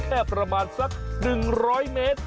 ประมาณสัก๑๐๐เมตร